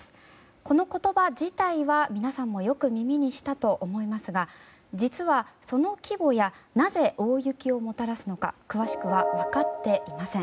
この言葉自体は、皆さんもよく耳にしたと思いますが実は、その規模やなぜ大雪をもたらすのか詳しくは分かっていません。